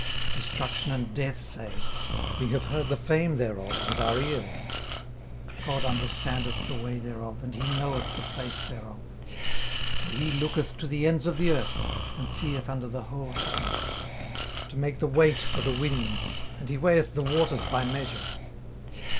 18:028:022 Destruction and death say, We have heard the fame thereof with our ears. 18:028:023 God understandeth the way thereof, and he knoweth the place thereof. 18:028:024 For he looketh to the ends of the earth, and seeth under the whole heaven; 18:028:025 To make the weight for the winds; and he weigheth the waters by measure.